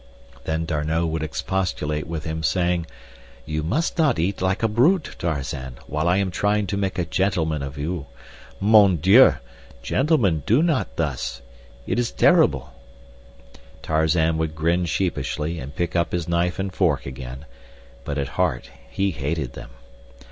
Then D'Arnot would expostulate with him, saying: "You must not eat like a brute, Tarzan, while I am trying to make a gentleman of you. Mon Dieu! Gentlemen do not thus—it is terrible." Tarzan would grin sheepishly and pick up his knife and fork again, but at heart he hated them.